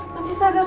tanti sadar tanti